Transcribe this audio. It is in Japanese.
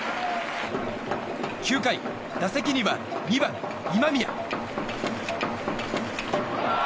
９回、打席には２番、今宮。